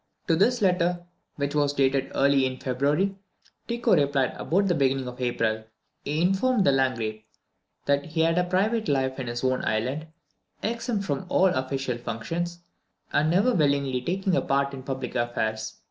To this letter, which was dated early in February, Tycho replied about the beginning of April. He informed the Landgrave that he led a private life in his own island, exempt from all official functions, and never willingly taking a part in public affairs.